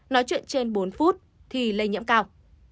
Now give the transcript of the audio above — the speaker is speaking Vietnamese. nói chuyện trên bốn phút thì lây nhiễm cao